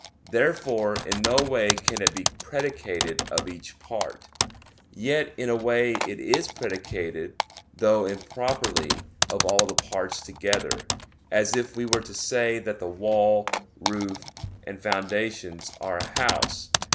Therefore in no way can it be predicated of each part; yet in a way it is predicated, though improperly, of all the parts together; as if we were to say that the wall, roof, and foundations are a house.